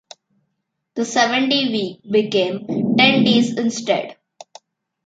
The seven-day week became ten days instead.